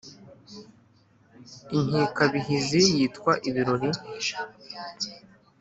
inkikabahizi zitwa ibirori